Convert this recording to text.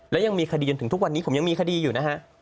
และยังมีคดีจนถึงทุกวันนี้ผมยังมีคดีอยู่นะฮะ